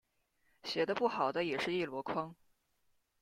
写的不好的也是一箩筐